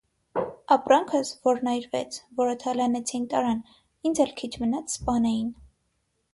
Ապրանքս՝ ո՛րն այրվեց, ո՛րը թալանեցին տարան, ինձ էլ քիչ մնաց՝ սպանեին: